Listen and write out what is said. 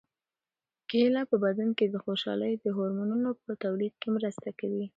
کیله په بدن کې د خوشالۍ د هورمونونو په تولید کې مرسته کوي.